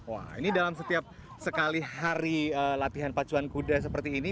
wah ini dalam setiap sekali hari latihan pacuan kuda seperti ini